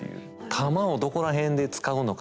弾をどこら辺で使うのか